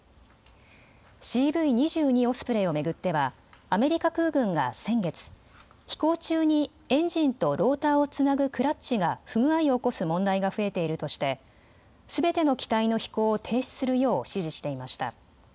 オスプレイを巡ってはアメリカ空軍が先月、飛行中にエンジンとローターをつなぐクラッチが不具合を起こす問題が増えているとしてすべての機体の飛行を停止するよう指示していました。